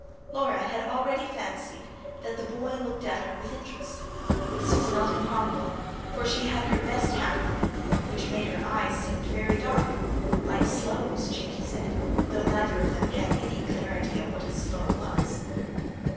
Laura had already fancied that the boy looked at her with interest. This was not improbable; for she had her best hat on, which made her eyes seem very dark "like sloes," Chinky said, though neither of them had any clear idea what a sloe was.